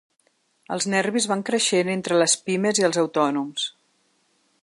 Els nervis van creixent entre les pimes i els autònoms.